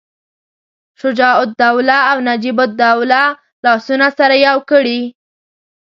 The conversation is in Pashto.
شجاع الدوله او نجیب الدوله لاسونه سره یو کړي.